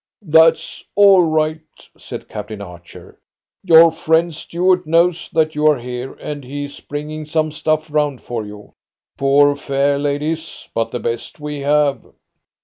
"That's all right," said Captain Archer. "Your friend Stuart knows that you are here, and he is bringing some stuff round for you. Poor fare, ladies, but the best we have!